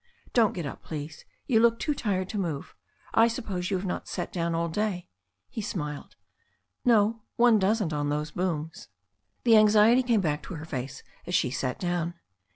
"Don't get up, please. You look too tired to move. I sup pose you have not sat down all day." He smiled. "No. One doesn't, on those booms." I70 THE STORY OF A NEW ZEALAND RIVER The anxiety came back to her face as she sat down.